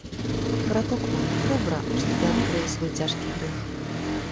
Браток мой, добра, што ты адкрыў свой цяжкі грэх.